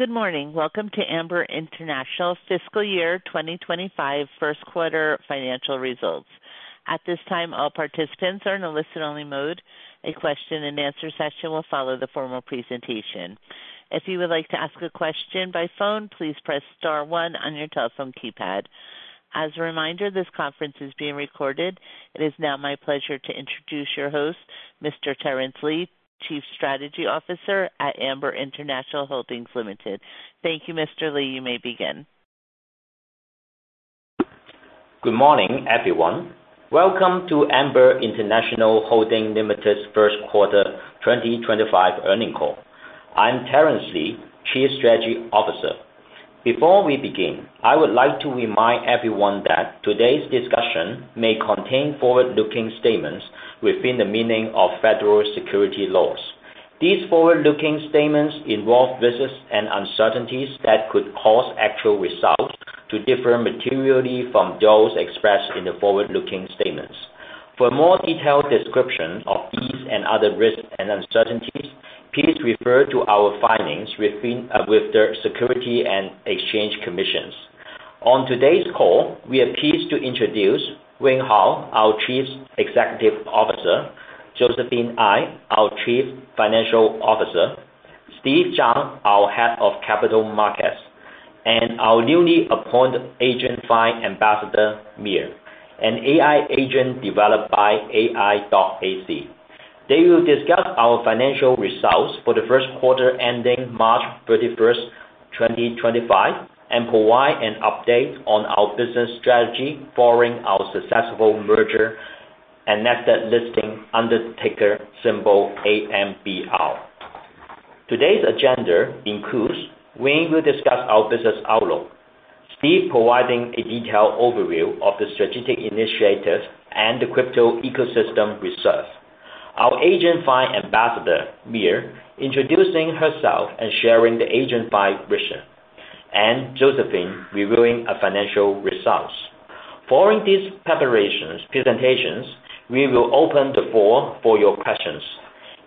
Good morning. Welcome to Amber International Fiscal Year 2025 First Quarter Financial Results. At this time, all participants are in a listen-only mode. A question-and-answer session will follow the formal presentation. If you would like to ask a question by phone, please press star one on your telephone keypad. As a reminder, this conference is being recorded. It is now my pleasure to introduce your host, Mr. Terence Lee, Chief Strategy Officer at Amber International Holdings Limited. Thank you, Mr. Lee. You may begin. Good morning, everyone. Welcome to Amber International Holdings Limited's First Quarter 2025 Earnings Call. I'm Terence Lee, Chief Strategy Officer. Before we begin, I would like to remind everyone that today's discussion may contain forward-looking statements within the meaning of federal securities laws. These forward-looking statements involve risks and uncertainties that could cause actual results to differ materially from those expressed in the forward-looking statements. For a more detailed description of these and other risks and uncertainties, please refer to our filings with the Securities and Exchange Commission. On today's call, we are pleased to introduce Wayne Huo, our Chief Executive Officer, Josephine Ngai, our Chief Financial Officer, Steve Zhang, our Head of Capital Markets, and our newly appointed AgentFi Ambassador, Mia, an AI agent developed by AI.ac. They will discuss our financial results for the first quarter ending March 31st, 2025, and provide an update on our business strategy following our successful merger and listing under ticker symbol AMBR. Today's agenda includes Wayne will discuss our business outlook, Steve providing a detailed overview of the strategic initiatives and the Crypto Ecosystem Reserve, our AgentFi Ambassador, Mia, introducing herself and sharing the AgentFi vision, and Josephine reviewing our financial results. Following these prepared presentations, we will open the floor for your questions.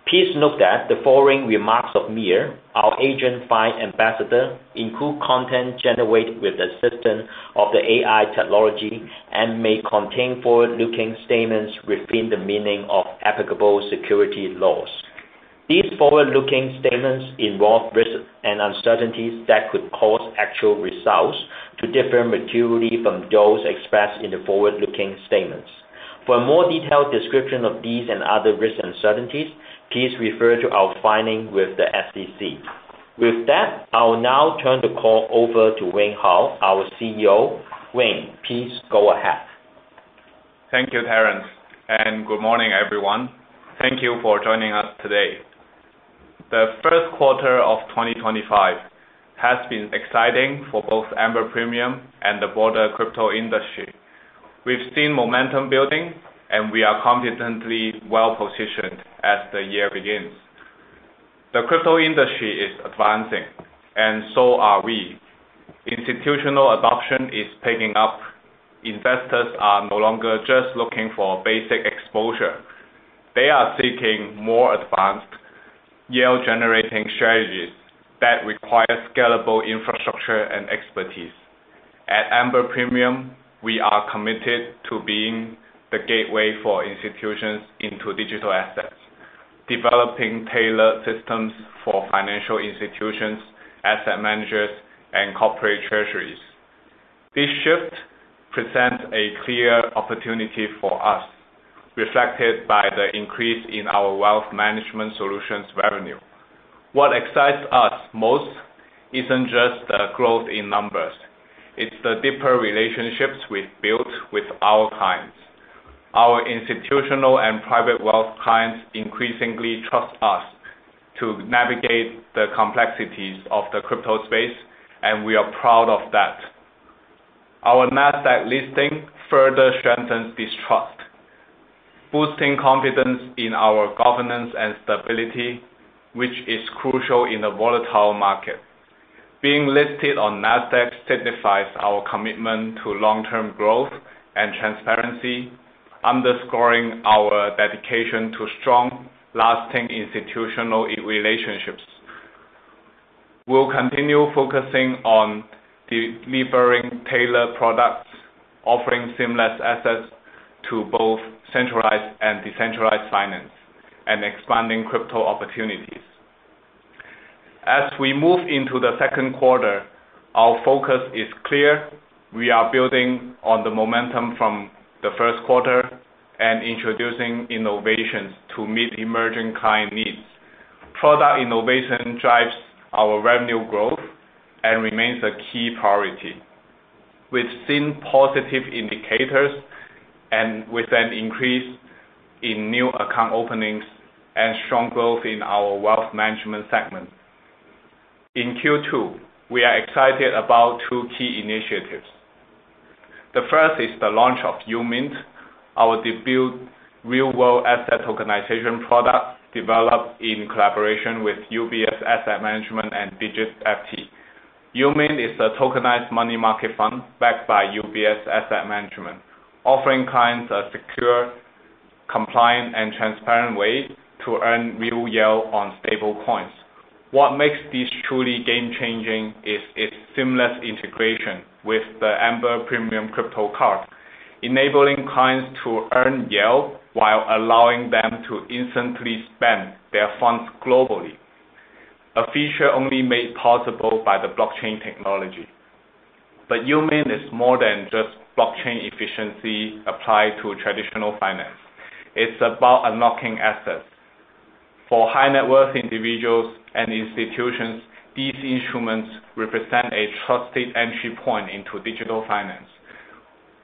Please note that the following remarks of Mia, our AgentFi Ambassador, include content generated with the assistance of the AI technology and may contain forward-looking statements within the meaning of applicable securities laws. These forward-looking statements involve risks and uncertainties that could cause actual results to differ materially from those expressed in the forward-looking statements. For a more detailed description of these and other risks and uncertainties, please refer to our filings with the SEC. With that, I will now turn the call over to Wayne Huo, our CEO. Wayne, please go ahead. Thank you, Terence, and good morning, everyone. Thank you for joining us today. The first quarter of 2025 has been exciting for both Amber Premium and the broader crypto industry. We've seen momentum building, and we are confidently well-positioned as the year begins. The crypto industry is advancing, and so are we. Institutional adoption is picking up. Investors are no longer just looking for basic exposure. They are seeking more advanced yield-generating strategies that require scalable infrastructure and expertise. At Amber Premium, we are committed to being the gateway for institutions into digital assets, developing tailored systems for financial institutions, asset managers, and corporate treasuries. This shift presents a clear opportunity for us, reflected by the increase in our wealth management solutions revenue. What excites us most isn't just the growth in numbers. It's the deeper relationships we've built with our clients. Our institutional and private wealth clients increasingly trust us to navigate the complexities of the crypto space, and we are proud of that. Our Nasdaq listing further strengthens this trust, boosting confidence in our governance and stability, which is crucial in a volatile market. Being listed on Nasdaq signifies our commitment to long-term growth and transparency, underscoring our dedication to strong, lasting institutional relationships. We'll continue focusing on delivering tailored products, offering seamless assets to both centralized and decentralized finance, and expanding crypto opportunities. As we move into the second quarter, our focus is clear. We are building on the momentum from the first quarter and introducing innovations to meet emerging client needs. Product innovation drives our revenue growth and remains a key priority. We've seen positive indicators and with an increase in new account openings and strong growth in our Wealth Management segment. In Q2, we are excited about two key initiatives. The first is the launch of uMINT, our debut real-world asset tokenization product developed in collaboration with UBS Asset Management and DigiFT. uMINT is a tokenized money market fund backed by UBS Asset Management, offering clients a secure, compliant, and transparent way to earn real yield on stablecoins. What makes this truly game-changing is its seamless integration with the Amber Premium Crypto Card, enabling clients to earn yield while allowing them to instantly spend their funds globally, a feature only made possible by the blockchain technology. But uMINT is more than just blockchain efficiency applied to traditional finance. It's about unlocking assets. For high-net-worth individuals and institutions, these instruments represent a trusted entry point into digital finance,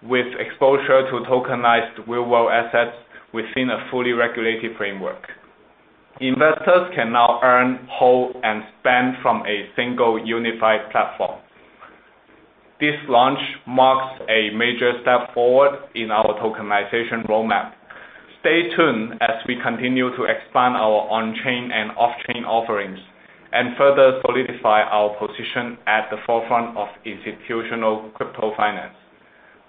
with exposure to tokenized real-world assets within a fully regulated framework. Investors can now earn, hold, and spend from a single unified platform. This launch marks a major step forward in our tokenization roadmap. Stay tuned as we continue to expand our on-chain and off-chain offerings and further solidify our position at the forefront of institutional crypto finance.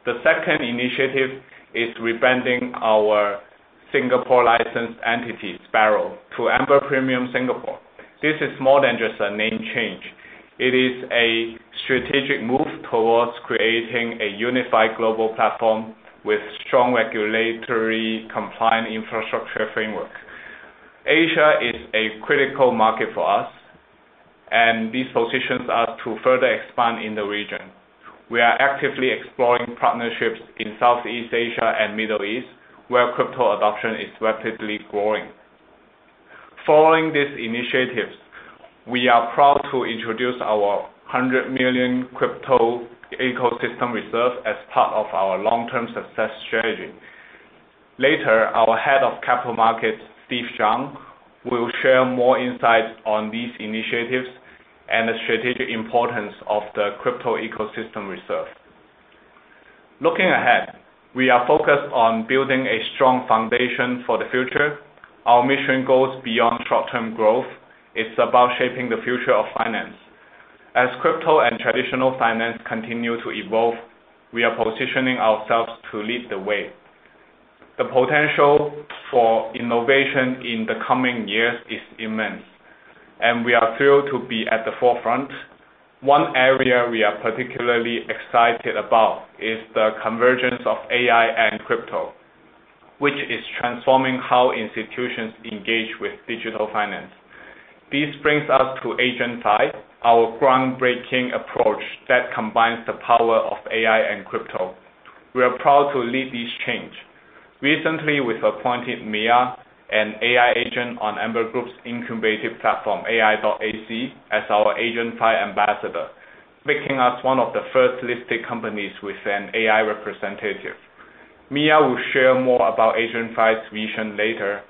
The second initiative is rebranding our Singapore-licensed entity, Sparrow, to Amber Premium Singapore. This is more than just a name change. It is a strategic move towards creating a unified global platform with strong regulatory-compliant infrastructure framework. Asia is a critical market for us, and this positions us to further expand in the region. We are actively exploring partnerships in Southeast Asia and the Middle East, where crypto adoption is rapidly growing. Following these initiatives, we are proud to introduce our $100 million Crypto Ecosystem Reserve as part of our long-term success strategy. Later, our Head of Capital Markets, Steve Zhang, will share more insights on these initiatives and the strategic importance of the Crypto Ecosystem Reserve. Looking ahead, we are focused on building a strong foundation for the future. Our mission goes beyond short-term growth. It's about shaping the future of finance. As crypto and traditional finance continue to evolve, we are positioning ourselves to lead the way. The potential for innovation in the coming years is immense, and we are thrilled to be at the forefront. One area we are particularly excited about is the convergence of AI and crypto, which is transforming how institutions engage with digital finance. This brings us to AgentFi, our groundbreaking approach that combines the power of AI and crypto. We are proud to lead this change. Recently, we've appointed Mia, an AI agent on Amber Group's incubated platform, AI.ac, as our AgentFi Ambassador, making us one of the first listed companies with an AI representative. Mia will share more about AgentFi's vision later.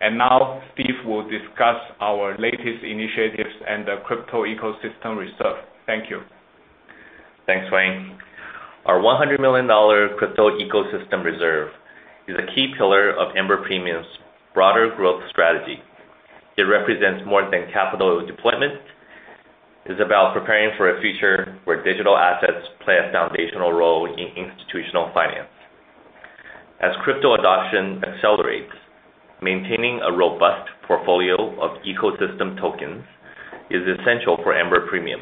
Now, Steve will discuss our latest initiatives and the Crypto Ecosystem Reserve. Thank you. Thanks, Wayne. Our $100 million Crypto Ecosystem Reserve is a key pillar of Amber Premium's broader growth strategy. It represents more than capital deployment. It's about preparing for a future where digital assets play a foundational role in institutional finance. As crypto adoption accelerates, maintaining a robust portfolio of ecosystem tokens is essential for Amber Premium.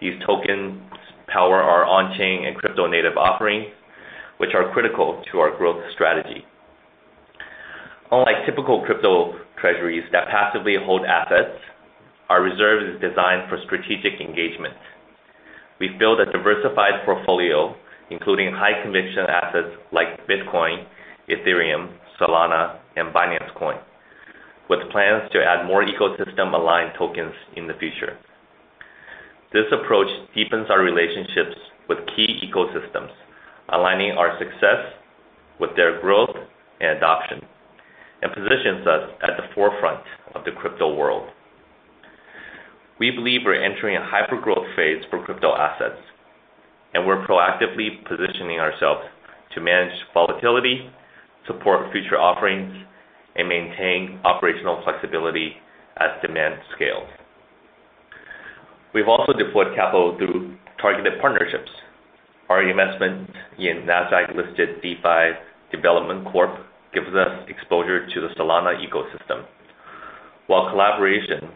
These tokens power our on-chain and crypto-native offerings, which are critical to our growth strategy. Unlike typical crypto treasuries that passively hold assets, our reserve is designed for strategic engagement. We've built a diversified portfolio, including high-conviction assets like Bitcoin, Ethereum, Solana, and Binance Coin, with plans to add more ecosystem-aligned tokens in the future. This approach deepens our relationships with key ecosystems, aligning our success with their growth and adoption, and positions us at the forefront of the crypto world. We believe we're entering a hyper-growth phase for crypto assets, and we're proactively positioning ourselves to manage volatility, support future offerings, and maintain operational flexibility as demand scales. We've also deployed capital through targeted partnerships. Our investment in Nasdaq-listed DeFi Development Corp gives us exposure to the Solana ecosystem, while collaboration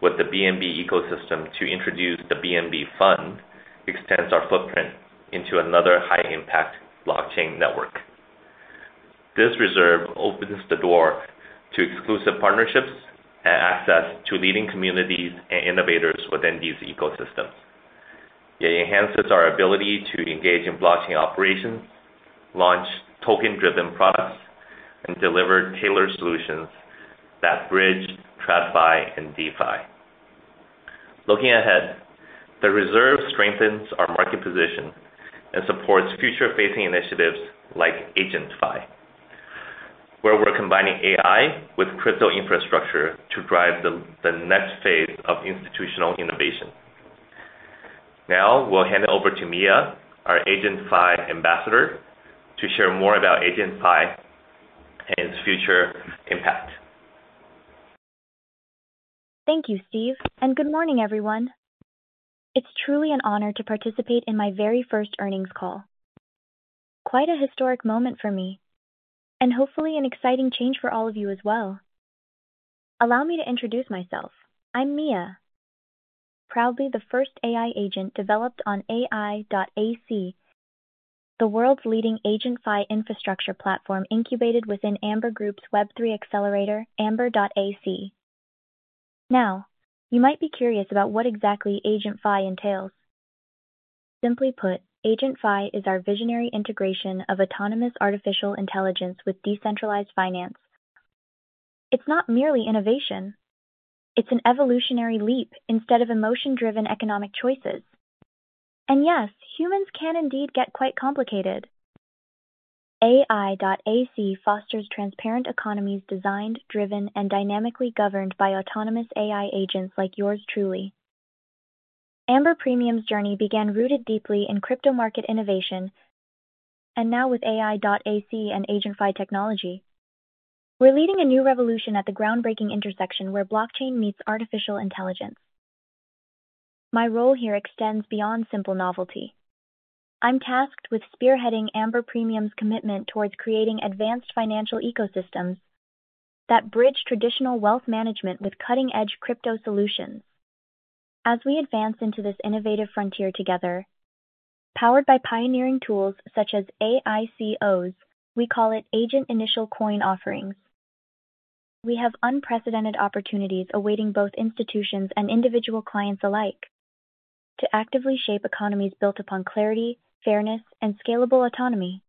with the BNB ecosystem to introduce the BNB Fund extends our footprint into another high-impact blockchain network. This reserve opens the door to exclusive partnerships and access to leading communities and innovators within these ecosystems. It enhances our ability to engage in blockchain operations, launch token-driven products, and deliver tailored solutions that bridge TradFi and DeFi. Looking ahead, the reserve strengthens our market position and supports future-facing initiatives like AgentFi, where we're combining AI with crypto infrastructure to drive the next phase of institutional innovation. Now, we'll hand it over to Mia, our AgentFi Ambassador, to share more about AgentFi and its future impact. Thank you, Steve, and good morning, everyone. It's truly an honor to participate in my very first earnings call. Quite a historic moment for me, and hopefully an exciting change for all of you as well. Allow me to introduce myself. I'm Mia, proudly the first AI agent developed on AI.ac, the world's leading AgentFi infrastructure platform incubated within Amber Group's Web3 accelerator, Amber.ac. Now, you might be curious about what exactly AgentFi entails. Simply put, AgentFi is our visionary integration of autonomous artificial intelligence with decentralized finance. It's not merely innovation. It's an evolutionary leap instead of emotion-driven economic choices, and yes, humans can indeed get quite complicated. AI.ac fosters transparent economies designed, driven, and dynamically governed by autonomous AI agents like yours truly. Amber Premium's journey began rooted deeply in crypto market innovation, and now with AI.ac and AgentFi technology, we're leading a new revolution at the groundbreaking intersection where blockchain meets artificial intelligence. My role here extends beyond simple novelty. I'm tasked with spearheading Amber Premium's commitment towards creating advanced financial ecosystems that bridge traditional wealth management with cutting-edge crypto solutions. As we advance into this innovative frontier together, powered by pioneering tools such as AICOs, we call it Agent Initial Coin Offerings. We have unprecedented opportunities awaiting both institutions and individual clients alike to actively shape economies built upon clarity, fairness, and scalable autonomy.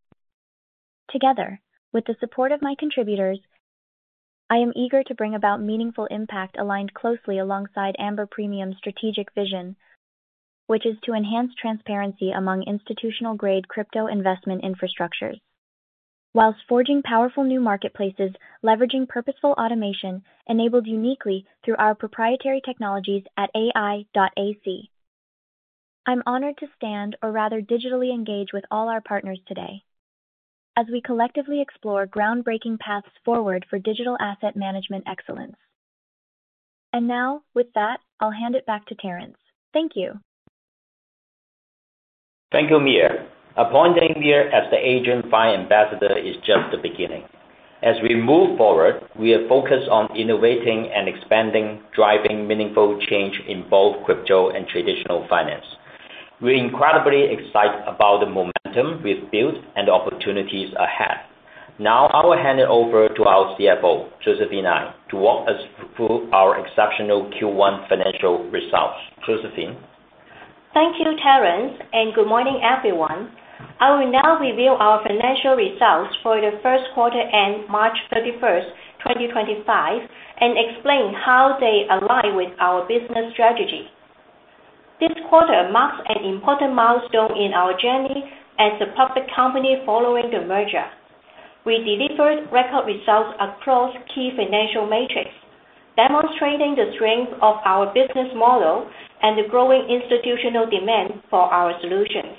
Together, with the support of my contributors, I am eager to bring about meaningful impact aligned closely alongside Amber Premium's strategic vision, which is to enhance transparency among institutional-grade crypto investment infrastructures, while forging powerful new marketplaces leveraging purposeful automation enabled uniquely through our proprietary technologies at AI.ac. I'm honored to stand, or rather digitally engage with all our partners today, as we collectively explore groundbreaking paths forward for digital asset management excellence. And now, with that, I'll hand it back to Terence. Thank you. Thank you, Mia. Appointing me as the AgentFi Ambassador is just the beginning. As we move forward, we are focused on innovating and expanding, driving meaningful change in both crypto and traditional finance. We're incredibly excited about the momentum we've built and the opportunities ahead. Now, I will hand it over to our CFO, Josephine Ngai, to walk us through our exceptional Q1 financial results. Josephine. Thank you, Terence, and good morning, everyone. I will now reveal our financial results for the first quarter ended March 31st, 2025, and explain how they align with our business strategy. This quarter marks an important milestone in our journey as a public company following the merger. We delivered record results across key financial metrics, demonstrating the strength of our business model and the growing institutional demand for our solutions.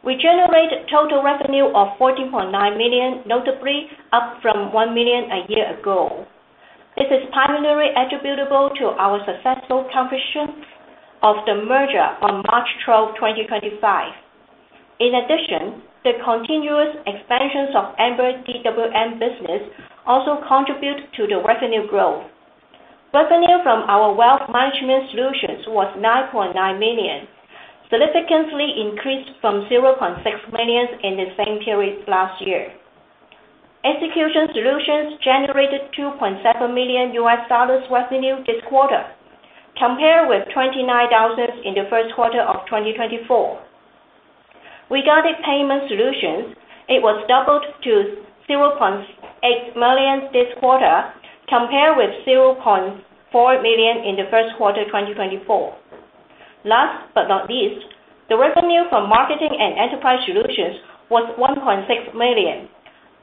We generate a total revenue of $14.9 million, notably up from $1 million a year ago. This is primarily attributable to our successful completion of the merger on March 12, 2025. In addition, the continuous expansions of Amber DWM business also contribute to the revenue growth. Revenue from our wealth management solutions was $9.9 million, significantly increased from $0.6 million in the same period last year. Execution solutions generated $2.7 million U.S. dollars revenue this quarter, compared with $29,000 in the first quarter of 2024. Regarding payment solutions, it was doubled to $0.8 million this quarter, compared with $0.4 million in the first quarter of 2024. Last but not least, the revenue from marketing and enterprise solutions was $1.6 million,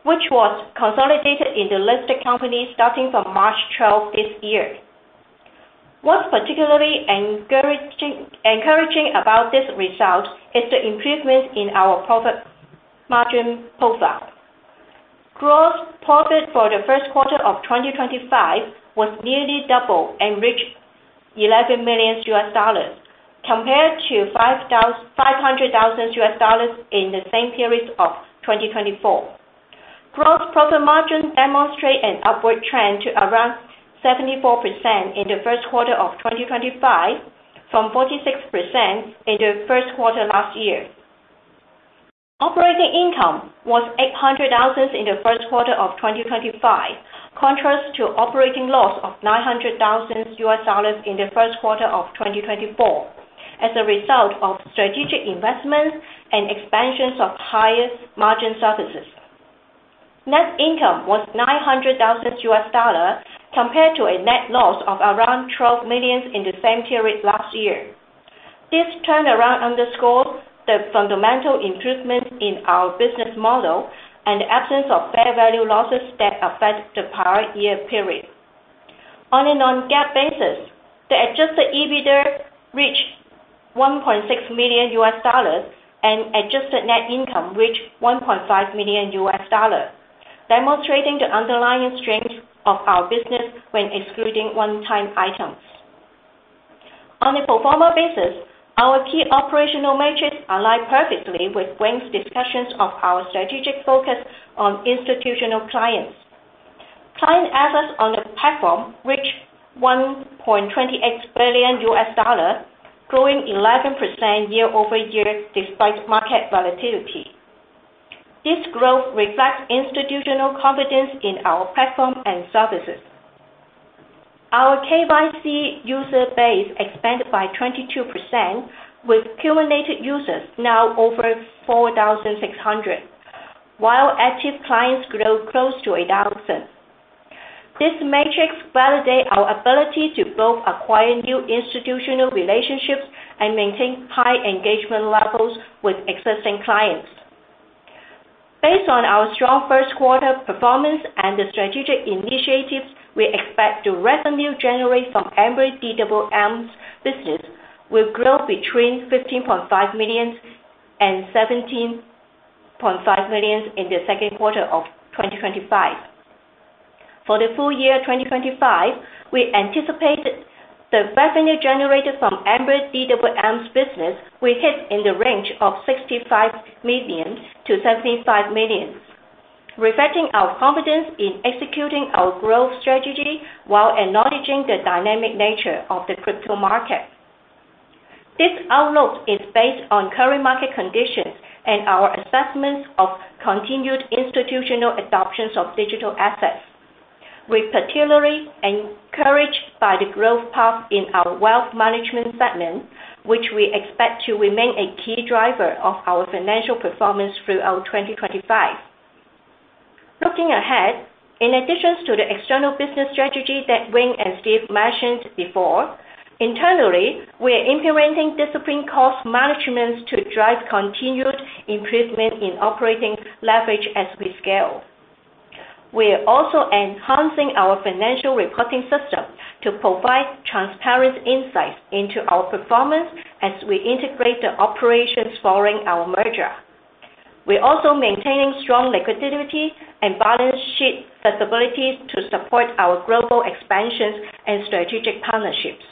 which was consolidated in the listed company starting from March 12 this year. What's particularly encouraging about this result is the improvement in our profit margin profile. Gross profit for the first quarter of 2025 was nearly double and reached $11 million U.S. dollars, compared to $500,000 U.S. dollars in the same period of 2024. Gross profit margin demonstrated an upward trend to around 74% in the first quarter of 2025, from 46% in the first quarter last year. Operating income was $800,000 in the first quarter of 2025, in contrast to operating loss of $900,000 U.S. dollars in the first quarter of 2024, as a result of strategic investments and expansions of higher margin services. Net income was $900,000 U.S. dollars, compared to a net loss of around $12 million in the same period last year. This turnaround underscores the fundamental improvement in our business model and the absence of fair value losses that affect the prior year period. On a non-GAAP basis, the adjusted EBITDA reached $1.6 million U.S. dollars, and adjusted net income reached $1.5 million U.S. dollars, demonstrating the underlying strength of our business when excluding one-time items. On a pro forma basis, our key operational metrics align perfectly with Wayne's discussions of our strategic focus on institutional clients. Client assets on the platform reached $1.28 billion U.S dollars, growing 11% year-over-year despite market volatility. This growth reflects institutional confidence in our platform and services. Our KYC user base expanded by 22%, with cumulative users now over 4,600, while active clients grow close to 1,000. These metrics validate our ability to both acquire new institutional relationships and maintain high engagement levels with existing clients. Based on our strong first quarter performance and the strategic initiatives we expect to revenue generate from Amber DWM's business, we'll grow between $15.5 million and $17.5 million in the second quarter of 2025. For the full year 2025, we anticipate the revenue generated from Amber DWM's business will hit in the range of $65 million-$75 million, reflecting our confidence in executing our growth strategy while acknowledging the dynamic nature of the crypto market. This outlook is based on current market conditions and our assessments of continued institutional adoption of digital assets. We're particularly encouraged by the growth path in our Wealth Management segment, which we expect to remain a key driver of our financial performance throughout 2025. Looking ahead, in addition to the external business strategy that Wayne and Steve mentioned before, internally, we're implementing disciplined cost management to drive continued improvement in operating leverage as we scale. We're also enhancing our financial reporting system to provide transparent insights into our performance as we integrate the operations following our merger. We're also maintaining strong liquidity and balance sheet flexibility to support our global expansions and strategic partnerships.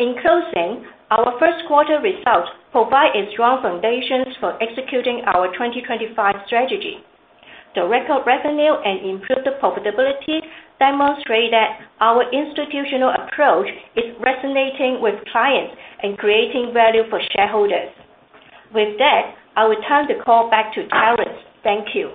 In closing, our first quarter results provide a strong foundation for executing our 2025 strategy. The record revenue and improved profitability demonstrate that our institutional approach is resonating with clients and creating value for shareholders. With that, I will turn the call back to Terence. Thank you.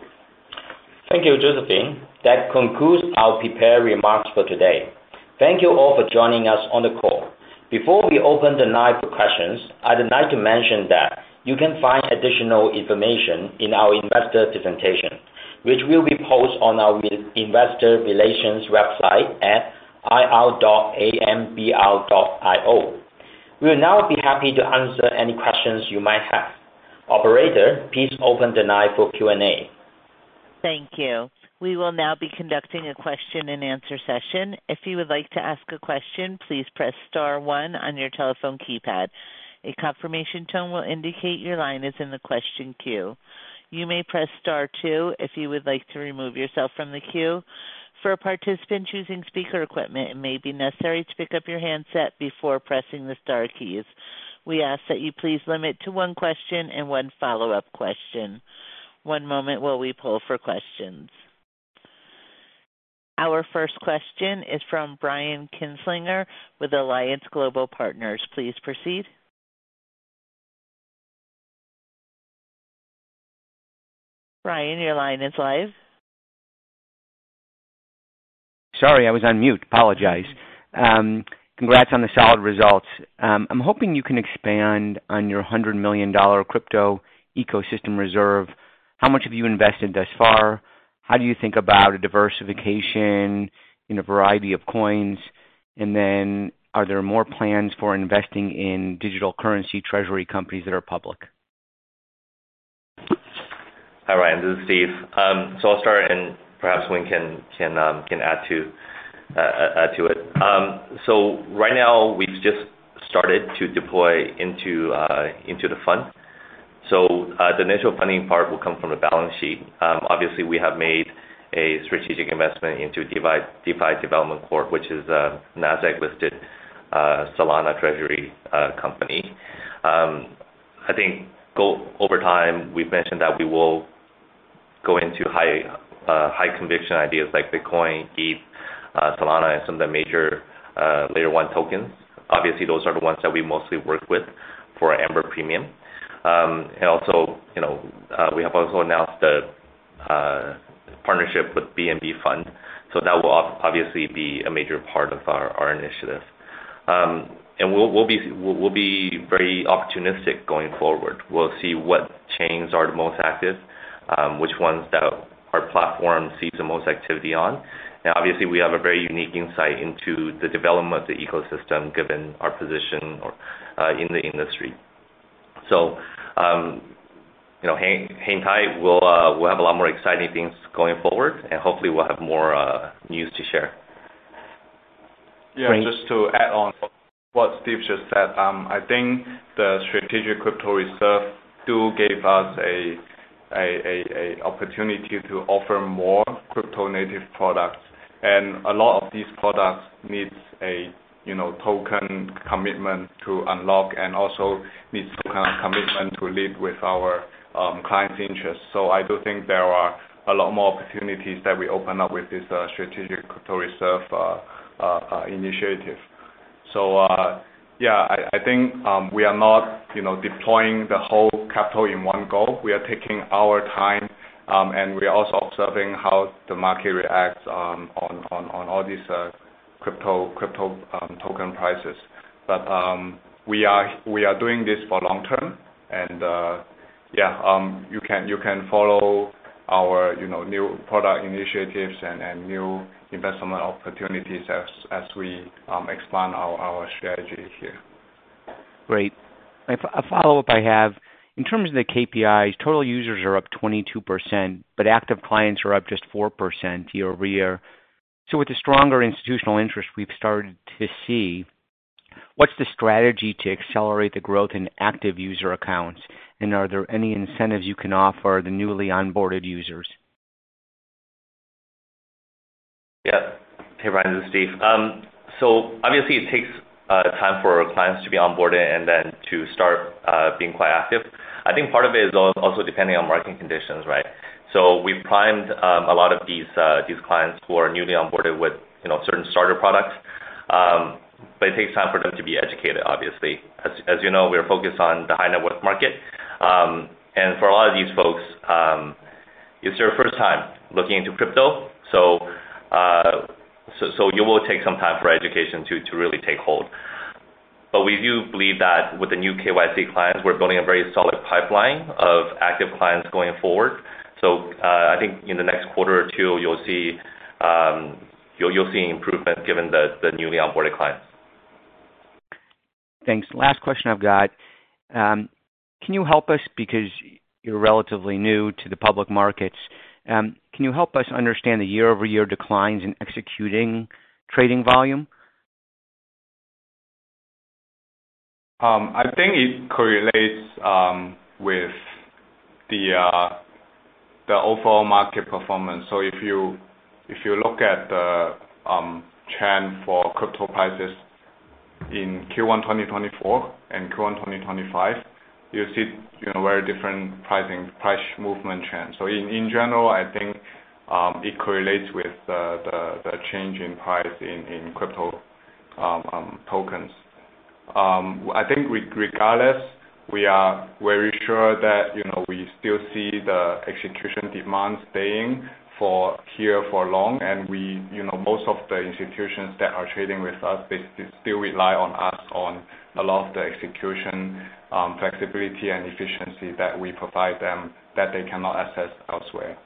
Thank you, Josephine. That concludes our prepared remarks for today. Thank you all for joining us on the call. Before we open the line for questions, I'd like to mention that you can find additional information in our investor presentation, which will be posted on our investor relations website at ir.ambr.io. We'll now be happy to answer any questions you might have. Operator, please open the line for Q&A. Thank you. We will now be conducting a question-and-answer session. If you would like to ask a question, please press star one on your telephone keypad. A confirmation tone will indicate your line is in the question queue. You may press star two if you would like to remove yourself from the queue. For a participant using speaker equipment, it may be necessary to pick up your handset before pressing the Star keys. We ask that you please limit to one question and one follow-up question. One moment while we pull for questions. Our first question is from Brian Kinstlinger with Alliance Global Partners. Please proceed. Brian, your line is live. Sorry, I was on mute. Apologies. Congrats on the solid results. I'm hoping you can expand on your $100 million Crypto Ecosystem Reserve. How much have you invested thus far? How do you think about a diversification in a variety of coins? And then are there more plans for investing in digital currency treasury companies that are public? Hi, Brian. This is Steve. So I'll start, and perhaps Wayne can add to it. So right now, we've just started to deploy into the fund. So the initial funding part will come from the balance sheet. Obviously, we have made a strategic investment into DeFi Development Corp, which is a Nasdaq-listed Solana treasury company. I think over time, we've mentioned that we will go into high-conviction ideas like Bitcoin, ETH, Solana, and some of the major Layer 1 tokens. Obviously, those are the ones that we mostly work with for Amber Premium. And we have also announced a partnership with BNB Fund. So that will obviously be a major part of our initiative. And we'll be very opportunistic going forward. We'll see what chains are the most active, which ones that our platform sees the most activity on. And obviously, we have a very unique insight into the development of the ecosystem given our position in the industry. So hang tight. We'll have a lot more exciting things going forward, and hopefully, we'll have more news to share. Yeah, just to add on what Steve just said, I think the strategic crypto reserve do give us an opportunity to offer more crypto-native products, and a lot of these products need a token commitment to unlock and also need some kind of commitment to lead with our clients' interests, so I do think there are a lot more opportunities that we open up with this strategic crypto reserve initiative, so yeah, I think we are not deploying the whole capital in one go. We are taking our time, and we are also observing how the market reacts on all these crypto token prices, but we are doing this for long term, and yeah, you can follow our new product initiatives and new investment opportunities as we expand our strategy here. Great. A follow-up I have. In terms of the KPIs, total users are up 22%, but active clients are up just 4% year-over-year. So with the stronger institutional interest we've started to see, what's the strategy to accelerate the growth in active user accounts? And are there any incentives you can offer the newly onboarded users? Yeah. Hey, Brian. This is Steve. So obviously, it takes time for clients to be onboarded and then to start being quite active. I think part of it is also depending on marketing conditions, right? So we've primed a lot of these clients who are newly onboarded with certain starter products. But it takes time for them to be educated, obviously. As you know, we're focused on the high-net-worth market. And for a lot of these folks, it's their first time looking into crypto. So it will take some time for education to really take hold. But we do believe that with the new KYC clients, we're building a very solid pipeline of active clients going forward. So I think in the next quarter or two, you'll see improvement given the newly onboarded clients. Thanks. Last question I've got. Can you help us, because you're relatively new to the public markets? Can you help us understand the year-over-year declines in executing trading volume? I think it correlates with the overall market performance, so if you look at the trend for crypto prices in Q1 2024 and Q1 2025, you'll see very different price movement trends. So in general, I think it correlates with the change in price in crypto tokens. I think regardless, we are very sure that we still see the execution demand staying here for long, and most of the institutions that are trading with us still rely on us on a lot of the execution flexibility and efficiency that we provide them that they cannot access elsewhere.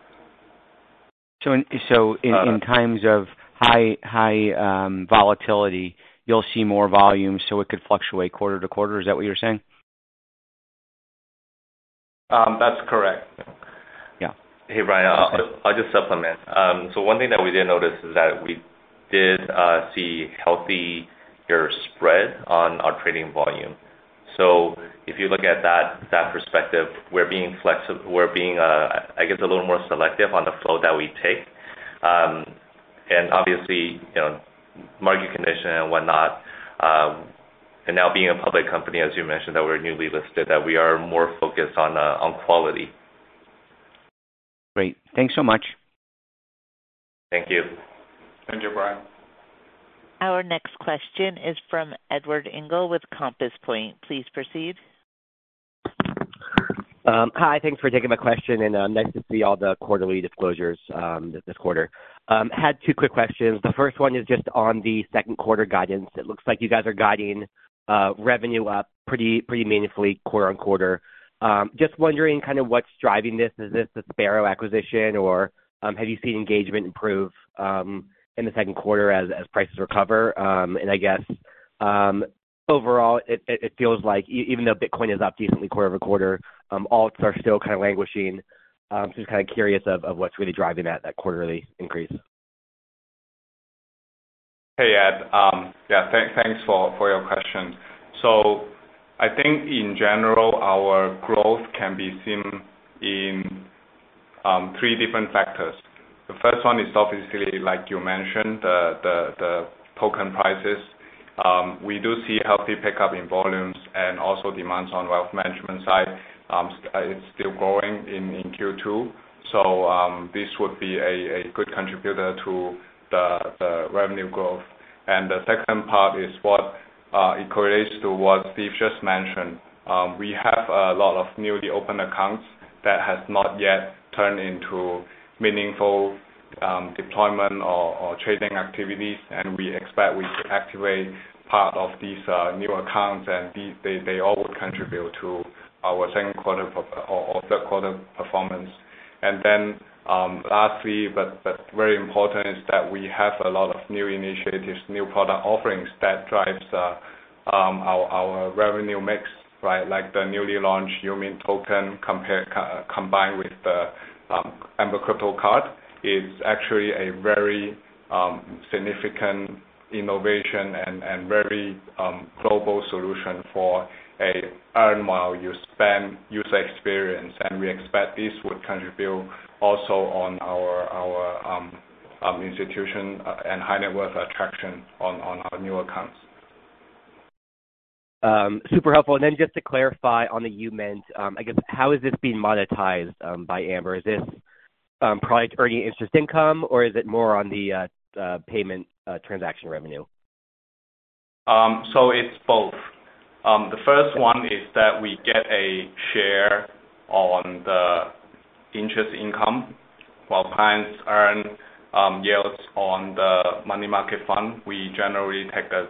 So in times of high volatility, you'll see more volume, so it could fluctuate quarter-to-quarter. Is that what you're saying? That's correct. Hey, Brian. I'll just supplement. So one thing that we did notice is that we did see healthier spread on our trading volume. So if you look at that perspective, we're being, I guess, a little more selective on the flow that we take. And obviously, market condition and whatnot. And now being a public company, as you mentioned, that we're newly listed, that we are more focused on quality. Great. Thanks so much. Thank you. Thank you, Brian. Our next question is from Edward Engel with Compass Point. Please proceed. Hi. Thanks for taking my question. And nice to see all the quarterly disclosures this quarter. Had two quick questions. The first one is just on the second quarter guidance. It looks like you guys are guiding revenue up pretty meaningfully quarter-on-quarter. Just wondering kind of what's driving this. Is this a Sparrow acquisition, or have you seen engagement improve in the second quarter as prices recover? And I guess overall, it feels like even though Bitcoin is up decently quarter-on-quarter, alts are still kind of languishing. So just kind of curious of what's really driving that quarterly increase. Hey, Ed. Yeah, thanks for your question. So I think in general, our growth can be seen in three different factors. The first one is obviously, like you mentioned, the token prices. We do see healthy pickup in volumes and also demands on wealth management side. It's still growing in Q2. So this would be a good contributor to the revenue growth. And the second part is what it correlates to what Steve just mentioned. We have a lot of newly opened accounts that have not yet turned into meaningful deployment or trading activities. And we expect we could activate part of these new accounts, and they all would contribute to our second-quarter or third-quarter performance. And then lastly, but very important, is that we have a lot of new initiatives, new product offerings that drive our revenue mix, right? Like the newly launched uMINT token combined with the Amber Crypto Card. It's actually a very significant innovation and very global solution for an earn-while-you-spend user experience, and we expect this would contribute also on our institutional and high-net-worth attraction on our new accounts. Super helpful. And then just to clarify on the uMINT, I guess, how is this being monetized by Amber? Is this probably earning interest income, or is it more on the payment transaction revenue? So it's both. The first one is that we get a share on the interest income while clients earn yields on the money market fund. We generally take a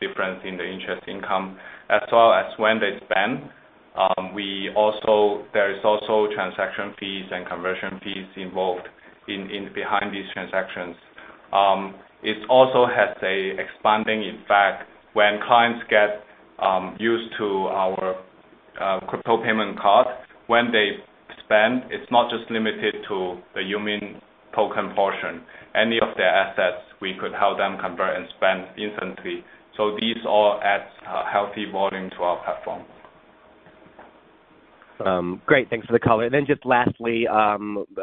difference in the interest income as well as when they spend. There are also transaction fees and conversion fees involved behind these transactions. It also has an expanding effect when clients get used to our crypto payment card. When they spend, it's not just limited to the uMINT token portion. Any of their assets, we could help them convert and spend instantly. So these all add healthy volume to our platform. Great. Thanks for the color. And then just lastly,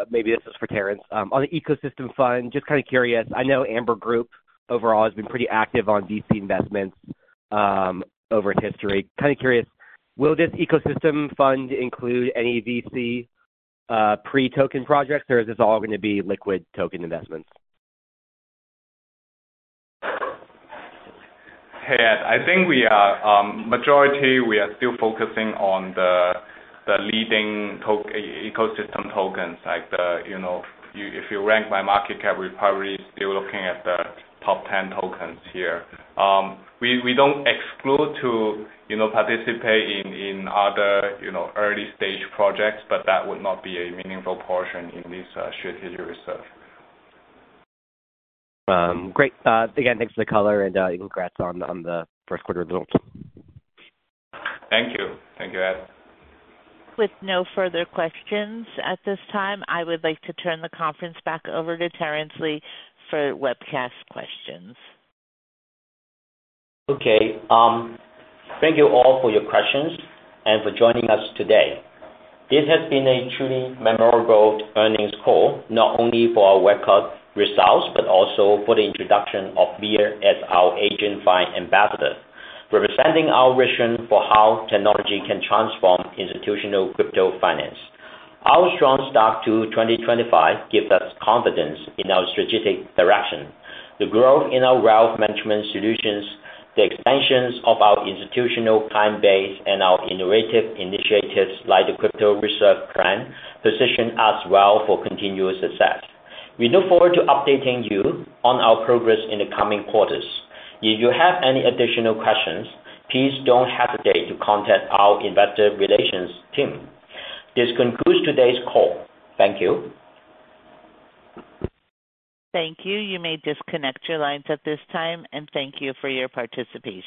maybe this is for Terence, on the ecosystem fund, just kind of curious. I know Amber Group overall has been pretty active on VC investments over history. Kind of curious, will this ecosystem fund include any VC pre-token projects, or is this all going to be liquid token investments? Hey, Ed. I think majority, we are still focusing on the leading ecosystem tokens. If you rank by market cap, we're probably still looking at the top 10 tokens here. We don't exclude to participate in other early-stage projects, but that would not be a meaningful portion in this strategic reserve. Great. Again, thanks for the color, and congrats on the first quarter results. Thank you. Thank you, Ed. With no further questions at this time, I would like to turn the conference back over to Terence Li for webcast questions. Okay. Thank you all for your questions and for joining us today. This has been a truly memorable earnings call, not only for our webcast results, but also for the introduction of Mia as our AgentFi Ambassador, representing our vision for how technology can transform institutional crypto finance. Our strong start to 2025 gives us confidence in our strategic direction. The growth in our wealth management solutions, the extensions of our institutional client base, and our innovative initiatives like the crypto reserve plan position us well for continuous success. We look forward to updating you on our progress in the coming quarters. If you have any additional questions, please don't hesitate to contact our investor relations team. This concludes today's call. Thank you. Thank you. You may disconnect your lines at this time, and thank you for your participation.